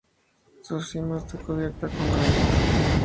Su cima está cubierta con granito.